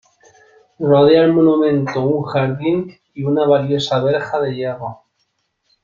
Rodea el monumento un jardín y una valiosa verja de hierro.